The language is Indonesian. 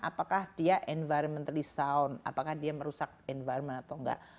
apakah dia environmentally sound apakah dia merusak environment atau enggak